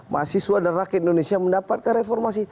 mahasiswa dan rakyat indonesia mendapatkan reformasi